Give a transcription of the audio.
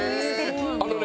あのね